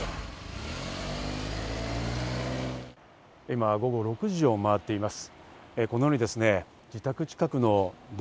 今、午後６時を回っています。